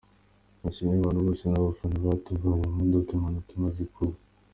Dushimiye abantu bose n’abafana batuvanye mu modoka impanuka imaze kuba….